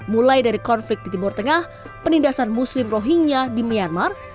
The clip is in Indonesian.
mulai dari konflik di timur tengah penindasan muslim rohingya di myanmar